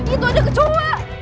itu ada kecoa